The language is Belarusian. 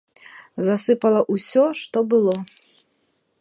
Засыпала ўсё, што было.